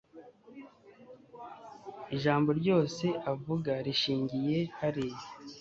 ijambo ryose avuga rishingiye hariya